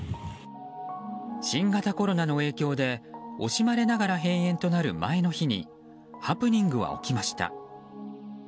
新型コロナの影響で惜しまれながら閉園となる前の日にハプニングは起きました。